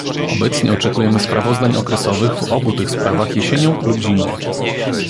Obecnie oczekujemy sprawozdań okresowych w obu tych sprawach jesienią lub zimą